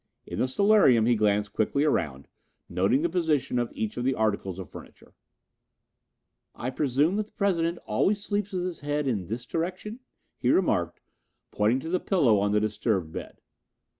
In the solarium he glanced quickly around, noting the position of each of the articles of furniture. "I presume that the President always sleeps with his head in this direction?" he remarked, pointing to the pillow on the disturbed bed.